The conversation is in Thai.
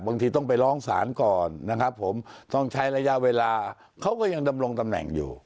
บางทีต้องไปร้องศาลก่อนนะครับผมต้องใช้ระยะเวลาเขาก็ยังดำรงตำแหน่งอยู่